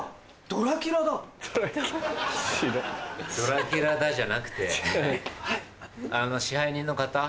「ドラキュラだ」じゃなくて支配人の方？